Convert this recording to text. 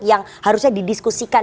yang harusnya didiskusikan